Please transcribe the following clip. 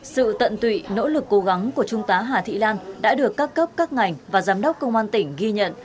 sự tận tụy nỗ lực cố gắng của trung tá hà thị lan đã được các cấp các ngành và giám đốc công an tỉnh ghi nhận